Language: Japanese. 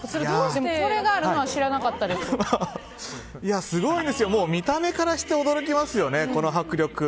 これがあるのは見た目からして驚きますよね、この迫力。